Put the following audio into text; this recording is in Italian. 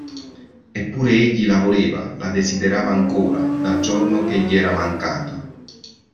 Eppure egli la voleva, la desiderava ancora: dal giorno che gli era mancata.